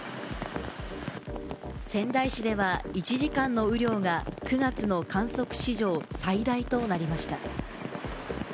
仙台市では１時間の雨量が９月の観測史上最大となりました。